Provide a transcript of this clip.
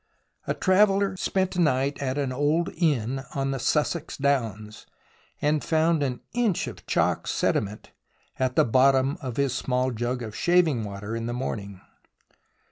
A traveller spent a night at an old inn on the Sussex downs, and found an inch of chalk sediment at the bottom of his small jug of shaving water in the morning.